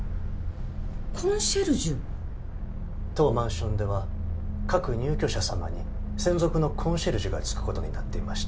当マンションでは各入居者さまに専属のコンシェルジュが付くことになっていまして。